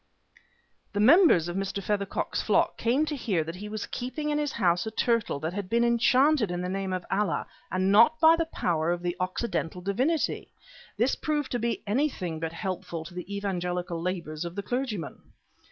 The members of Mr. Feathercock's flock came to hear that he was keeping in his house a turtle that had been enchanted in the name of Allah and not by the power of the Occidental Divinity: this proved to be anything but helpful to the evangelical labors of the clergyman.